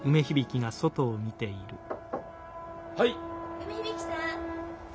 ・梅響さん。